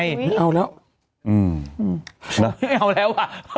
เราก็ต้องเอาแล้ว